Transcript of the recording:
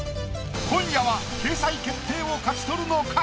今夜は掲載決定を勝ち取るのか？